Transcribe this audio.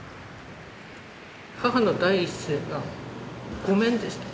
母の第一声がごめんでした。